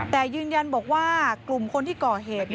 แต่ยืนยันบอกว่ากลุ่มคนที่ก่อเหตุ